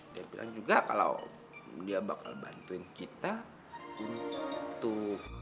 dia bilang juga kalau dia bakal bantuin kita untuk tuh